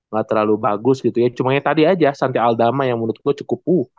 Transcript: gak terlalu bagus gitu ya cuman tadi aja santi aldama yang menurut gue cukup